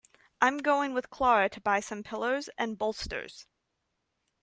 I'm going with Clara to buy some pillows and bolsters.